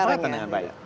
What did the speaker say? dimanfaatkan dengan baik